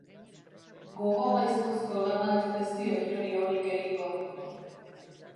Gogo gaiztozko lanak ez dio inori onik egingo.